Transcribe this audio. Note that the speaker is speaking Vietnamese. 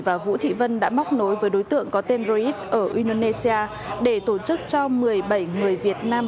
và vũ thị vân đã móc nối với đối tượng có tên reid ở indonesia để tổ chức cho một mươi bảy người việt nam